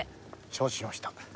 承知しました。